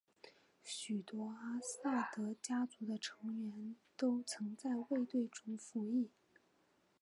许多阿萨德家族的成员都曾在卫队中服役。